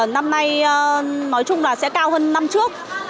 năm nay nói chung là sẽ cao hơn năm trước